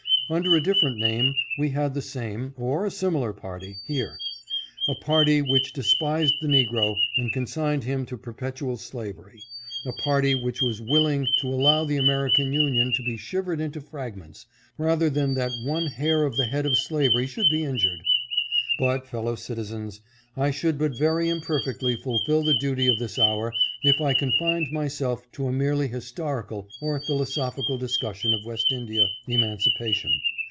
Under a different name, we had the same, or a similar party, here ; a party which despised the negro and con signed him to perpetual slavery; a party which was willing to allow the American Union to be shivered into fragments, rather than that one hair of the head of slavery should be injured. But, fellow citizens, I should but very imperfectly fulfil the duty of this hour if I confined myself to a merely historical or philosophical discussion of West India emancipation.